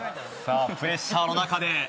さあプレッシャーの中で。